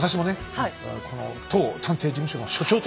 この当探偵事務所の所長としてですね